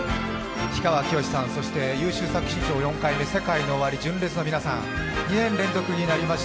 氷川きよしさん、優秀作品賞４回目のＳＥＫＡＩＮＯＯＷＡＲＩ、純烈の皆さん、２年連続になりました